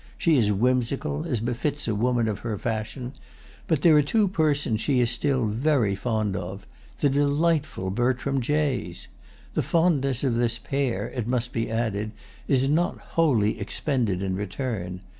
She is whimsical, as befits a woman of her fashion; but there are two persons she is still very fond of, the delightful Bertram Jays. The fondness of this pair, it must be added, is not wholly expended in return.